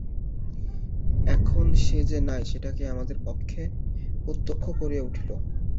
এখন সে যে নাই সেইটেই আমাদের পক্ষে প্রত্যক্ষ হইয়া উঠিল।